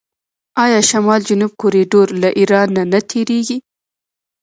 آیا شمال جنوب کوریډور له ایران نه تیریږي؟